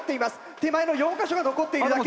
手前の４か所が残っているだけ。